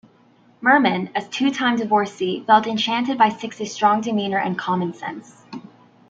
Merman, a two-time divorcee, felt enchanted by Six's strong demeanor and common sense.